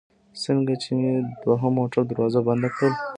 څنګه چې مې د دوهم موټر دروازه بنده کړل.